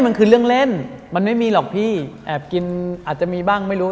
มันคือเรื่องเล่นมันไม่มีหรอกพี่แอบกินอาจจะมีบ้างไม่รู้